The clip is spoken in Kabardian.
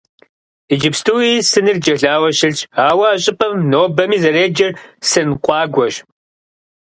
Иджыпстуи сыныр джэлауэ щылъщ, ауэ а щӀыпӀэм нобэми зэреджэр «Сын къуагуэщ».